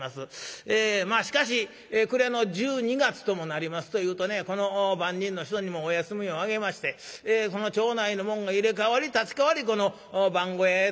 しかし暮れの１２月ともなりますというとこの番人の人にもお休みをあげましてその町内の者が入れ代わり立ち代わりこの番小屋へ詰めましてですね